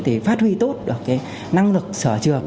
thì phát huy tốt được năng lực sở trường